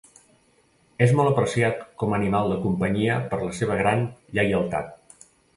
És molt apreciat com a animal de companyia per la seva gran lleialtat.